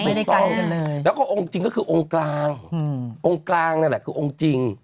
ไม่ได้ใกล้กันเลยแล้วก็องค์จริงก็คือองค์กลางอืมองค์กลางนั่นแหละคือองค์จริง